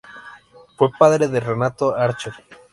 Fue padre de Renato Archer.